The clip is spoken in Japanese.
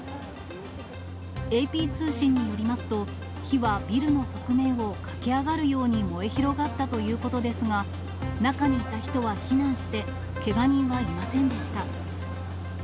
ＡＰ通信によりますと、火はビルの側面を駆け上がるように燃え広がったということですが、中にいた人は避難して、けが人はいませんでした。